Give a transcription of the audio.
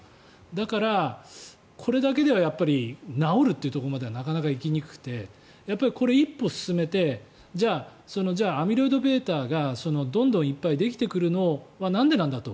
だから、これだけでは治るっていうところまではなかなか行きにくくてこれを一歩進めてじゃあアミロイドβがどんどんいっぱいできてくるのがなんでなんだと。